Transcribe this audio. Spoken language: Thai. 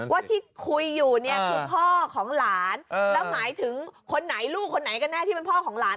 ว่าที่คุยอยู่เนี่ยคือพ่อของหลานแล้วหมายถึงคนไหนลูกคนไหนกันแน่ที่เป็นพ่อของหลาน